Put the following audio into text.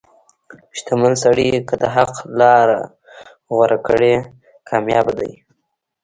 • شتمن سړی که د حق لار غوره کړي، کامیابه دی.